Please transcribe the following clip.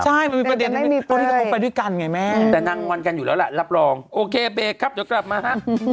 แต่จะไม่มีเป้ยแต่นั่งวันกันอยู่แล้วล่ะรับรองโอเคเบรกครับเดี๋ยวกลับมาฮะ